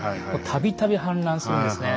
たびたび氾濫するんですね。